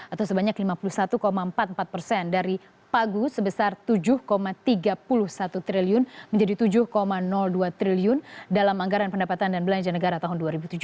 atau sebanyak lima puluh satu empat puluh empat persen dari pagu sebesar tujuh tiga puluh satu triliun menjadi tujuh dua triliun dalam anggaran pendapatan dan belanja negara tahun dua ribu tujuh belas